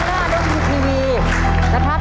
ข้างหน้าเรามีทีวีนะครับ